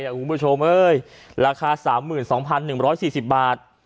ทุกคุณผู้ชมเฮ้ยราคาสามหมื่นสองพันหนึ่งร้อยสี่สิบบาท